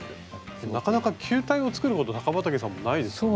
なかなか球体を作ること高畠さんもないですよね？